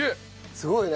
すごいよね。